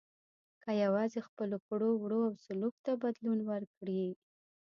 که یوازې خپلو کړو وړو او سلوک ته بدلون ورکړي.